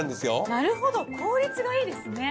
なるほど効率がいいですね。